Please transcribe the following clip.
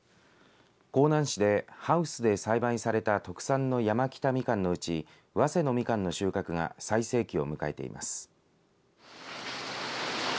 香南市でハウスで栽培された特産の山北みかんのうちわせのみかんの収穫が最盛期を迎えています。